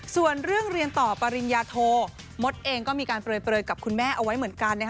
ส่วนเรื่องเรียนต่อปริญญาโทมดเองก็มีการเปลยกับคุณแม่เอาไว้เหมือนกัน